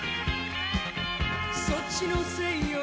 そっちのせいよ」